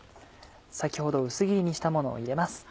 先ほど薄切りにしたものを入れます。